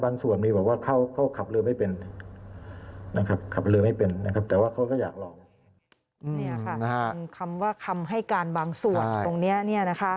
นี่ค่ะคำว่าคำให้การบางส่วนตรงนี้เนี่ยนะคะ